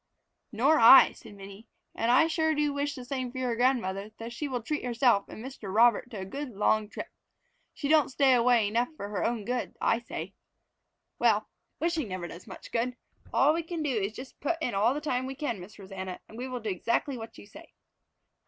"Nor I," said Minnie. "And I sure do wish the same for your grandmother, that she will treat herself and Mr. Robert to a good long trip. She don't stay away enough for her own good, I say. Well, wishing never does much good. All we can do is just put in all the time we can, Miss Rosanna, and we will do exactly what you say.